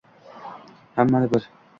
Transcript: Hammani bir